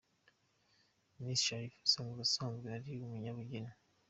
Miss Sharifa asanzwe asanzwe ari umunyabugeni.